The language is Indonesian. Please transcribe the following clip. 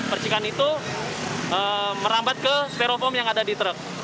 percikan itu merambat ke stereofoam yang ada di truk